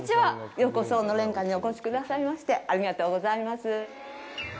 ようこそ、のれん館にお越しくださいましてありがとうございます。